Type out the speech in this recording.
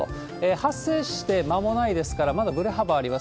発生して間もないですから、まだぶれ幅あります。